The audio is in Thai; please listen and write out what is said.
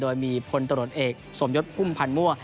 โดยมีพลตะรดเอกสมยทภูมิพันมั่ว